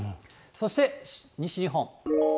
そして西日本。